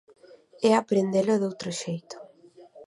E aprendelo doutro xeito.